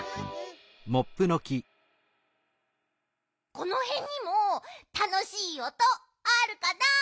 このへんにもたのしいおとあるかな？